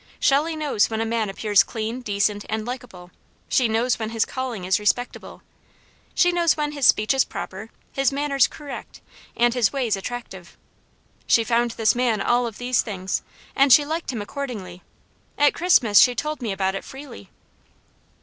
Shelley knows when a man appears clean, decent and likable. She knows when his calling is respectable. She knows when his speech is proper, his manners correct, and his ways attractive. She found this man all of these things, and she liked him accordingly. At Christmas she told me about it freely."